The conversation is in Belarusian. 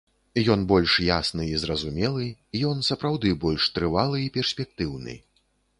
Ён больш ясны і зразумелы, ён сапраўды больш трывалы і перспектыўны.